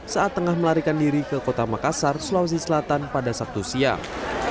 saat tengah melarikan diri ke kota makassar sulawesi selatan pada sabtu siang